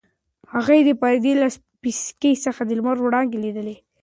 هغې د پردې له پیڅکې څخه د لمر وړانګې لیدلې.